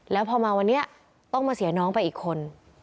แล้วพอมาวันนี้ต้องมาเสียน้องไปอีกคน